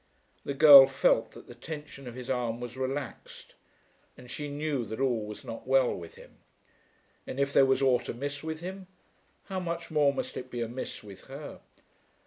The girl felt that the tension of his arm was relaxed, and she knew that all was not well with him. And if there was ought amiss with him, how much more must it be amiss with her?